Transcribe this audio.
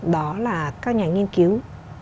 đó là các nhà nghiên cứu